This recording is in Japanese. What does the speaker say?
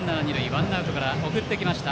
ワンアウトから送ってきました。